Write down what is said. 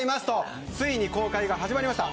ついに公開が始まりました。